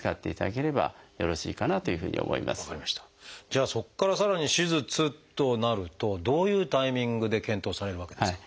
じゃあそこからさらに手術となるとどういうタイミングで検討されるわけですか？